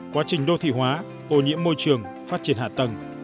quá trình đô thị hóa ô nhiễm môi trường phát triển hạ tầng